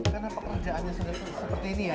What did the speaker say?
karena pekerjaannya sudah seperti ini ya